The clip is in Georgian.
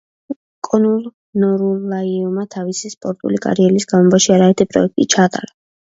კონულ ნურულაიევმა თავისი სპორტული კარიერის განმავლობაში არაერთი პროექტი ჩაატარა.